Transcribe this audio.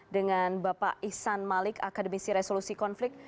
dengan bapak ihsan malik akademisi resolusi konflik